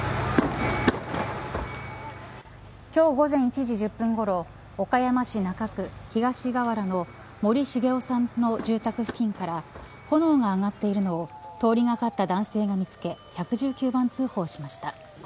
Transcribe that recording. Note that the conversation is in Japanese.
今日、午前１時１０分ごろ岡山市中区東川原の森繁夫さんの住宅付近から炎が上がっているのを通りがかった男性が見つけ１１９番通報しました。